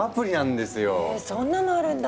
ヘそんなのあるんだ！